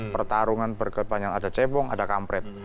pertarungan berkepanjangan ada cebong ada kampret